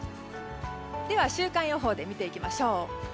では週間予報で見ていきましょう。